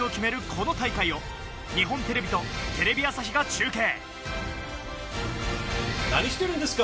この大会を日本テレビとテレビ朝日が中継。